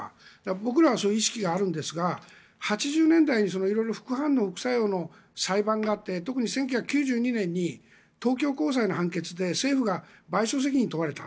僕らはそういう意識があるんですが１９８０年代に色々、副反応、副作用の裁判があって特に１９９２年に東京高裁の判決で政府が賠償責任を問われた。